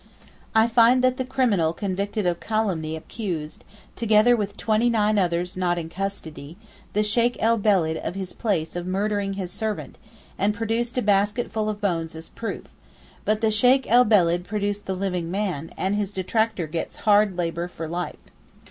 I find that the criminal convicted of calumny accused, together with twenty nine others not in custody, the Sheykh el Beled of his place of murdering his servant, and produced a basket full of bones as proof, but the Sheykh el Beled produced the living man, and his detractor gets hard labour for life.